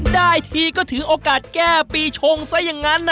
ได้ทีก็ถือโอกาสแก้ปีชงซะอย่างนั้นนะ